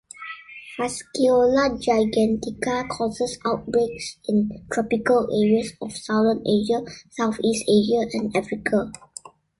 "Fasciola gigantica" causes outbreaks in tropical areas of southern Asia, Southeast Asia, and Africa.